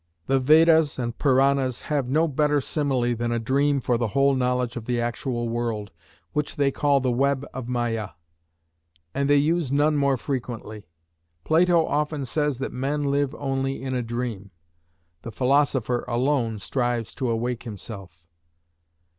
The Vedas and Puranas have no better simile than a dream for the whole knowledge of the actual world, which they call the web of Mâyâ, and they use none more frequently. Plato often says that men live only in a dream; the philosopher alone strives to awake himself.